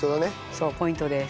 そうポイントです。